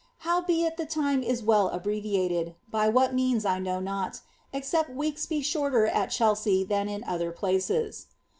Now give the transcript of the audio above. Howbeit the time is well abbreviated^ by what means 1 know except weeks be shorter at Chelsea than in other places.